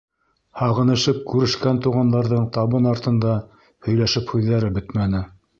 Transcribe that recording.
Һағынышып күрешкән туғандарҙың табын артында һөйләшеп һүҙҙәре бөтмәне.